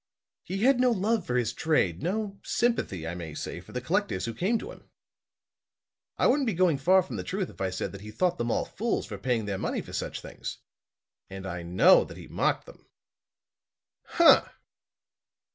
He had no love for his trade, no sympathy, I may say, for the collectors who came to him. I wouldn't be going far from the truth if I said that he thought them all fools for paying their money for such things. And I know that he mocked them." "Humph!"